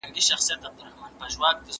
د مسجد په منارو درپسې ژاړم